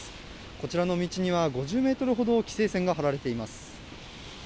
こちらの道には５０ｍほど規制線が張られています。